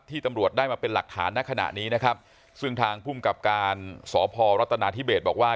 ตำรวจได้มาเป็นหลักฐานในขณะนี้นะครับซึ่งทางภูมิกับการสพรัฐนาธิเบศบอกว่า